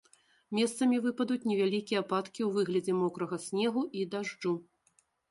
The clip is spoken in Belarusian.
Месцамі выпадуць невялікія ападкі ў выглядзе мокрага снегу і дажджу.